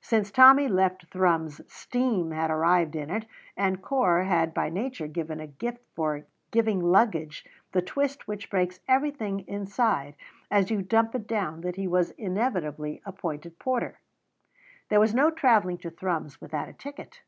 Since Tommy left Thrums "steam" had arrived in it, and Corp had by nature such a gift for giving luggage the twist which breaks everything inside as you dump it down that he was inevitably appointed porter. There was no travelling to Thrums without a ticket.